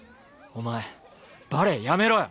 お前バレエやめろよ。